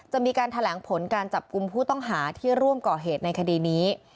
จะมีการแถลงผลการจับกลุ่มผู้ต้องหาที่ร่วมก่อเหตุในคดีนี้